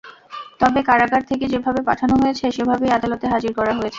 তবে কারাগার থেকে যেভাবে পাঠানো হয়েছে, সেভাবেই আদালতে হাজির করা হয়েছে।